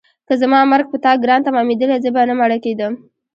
که زما مرګ په تا ګران تمامېدلی زه به نه مړه کېدم.